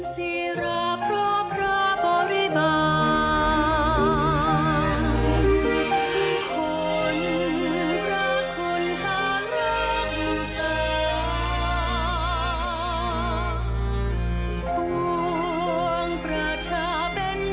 สร้างของอันนั้นถ้าประสงค์ได้